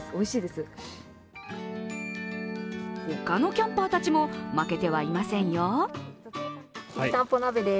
他のキャンパーたちも負けてはいませんよ。